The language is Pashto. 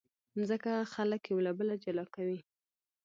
مځکه خلک یو له بله جلا کوي.